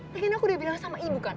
mungkin aku udah bilang sama ibu kan